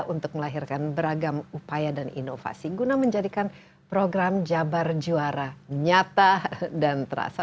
untuk melahirkan beragam upaya dan inovasi guna menjadikan program jabar juara nyata dan terasa